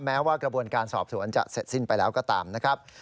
แม้ว่ากระบวนการสอบสวนจะเสร็จสิ้นไปแล้วก็ตามนะครับ